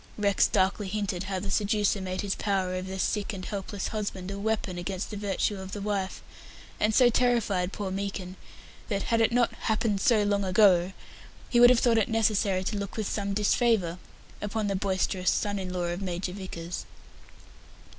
Rex darkly hinted how the seducer made his power over the sick and helpless husband a weapon against the virtue of the wife and so terrified poor Meekin that, had it not "happened so long ago", he would have thought it necessary to look with some disfavour upon the boisterous son in law of Major Vickers.